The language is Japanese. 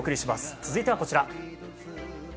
続いては、こちら。